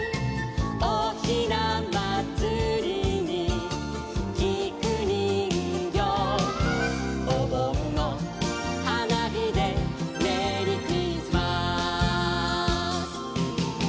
「おひなまつりにきくにんぎょう」「おぼんのはなびでメリークリスマス」